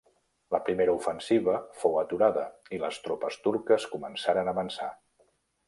La primera ofensiva fou aturada i les tropes turques començaren a avançar.